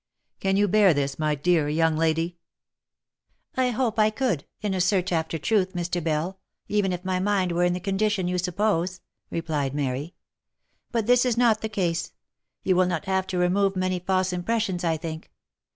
Can you bear this my dear young lady ?"" I hope I could, in a search after truth, Mr. Bell, even if my mind were in the condition you suppose," replied Mary. " But this is not the case. You will not have to remove many false impressions I think.